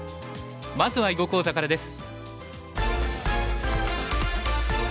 まずは囲碁講座からです。